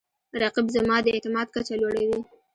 رقیب زما د اعتماد کچه لوړوي